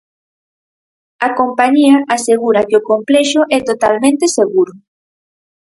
A compañía asegura que o complexo é totalmente seguro.